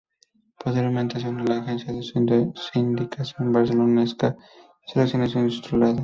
Posteriormente se une a la agencia de sindicación barcelonesa Selecciones Ilustradas.